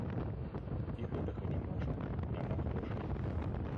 І гэтага не можна, няма грошай.